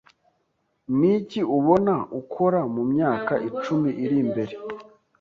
Niki ubona ukora mu myaka icumi iri imbere?